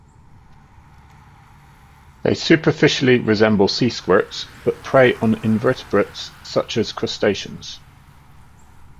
They superficially resemble sea squirts but prey on invertebrates such as crustaceans.